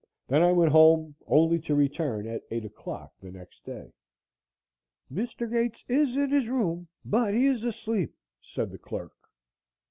Then I went home, only to return at 8 o'clock the next day. "Mr. Gates is in his room, but he is asleep," said the clerk.